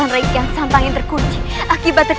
langsung terluka parah